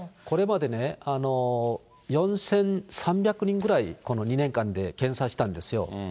これまでね、４３００人ぐらいこの２年間で検査したんですよ。